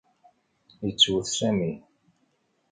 Yettwet Sami.